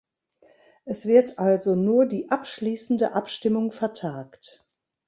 Es wird also nur die abschließende Abstimmung vertagt.